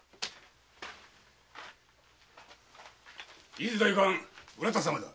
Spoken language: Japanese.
・伊豆代官・浦田様だ。